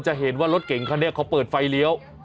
จะเห็นว่ารถเก่งคันนี้เขาเปิดไฟเลี้ยว